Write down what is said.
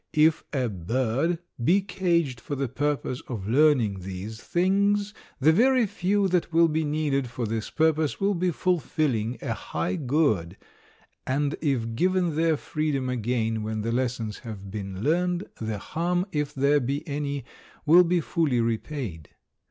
If a bird be caged for the purpose of learning these things the very few that will be needed for this purpose will be fulfilling a high good, and if given their freedom again when the lessons have been learned the harm, if there be any, will be fully repaid.